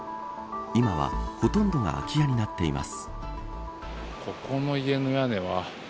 今はほとんどが空き家になっています。